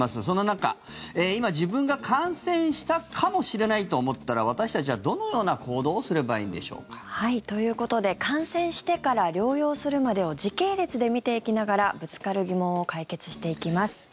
その中、今自分が感染したかもしれないと思ったら私たちはどのような行動をすればいいんでしょうか。ということで感染してから療養するまでを時系列で見ていきながらぶつかる疑問を解決していきます。